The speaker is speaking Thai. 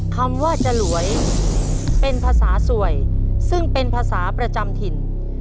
คำว่าจรวยเป็นภาษาสวยซึ่งเป็นภาษาประจำถิ่น